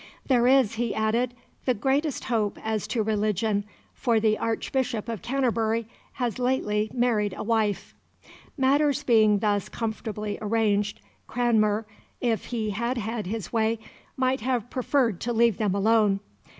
"There is," he added, "the greatest hope as to religion, for the Archbishop of Canterbury has lately married a wife." Matters being thus comfortably arranged, Cranmer, if he had had his way, might have preferred to leave them alone.